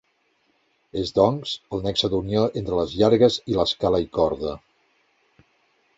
És doncs, el nexe d'unió entre les Llargues i l'Escala i corda.